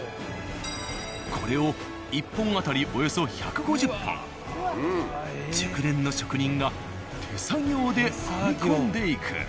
これを１本当たりおよそ１５０本熟練の職人が手作業で編み込んでいく。